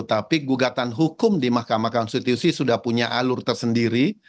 tapi gugatan hukum di mahkamah konstitusi sudah punya alur tersendiri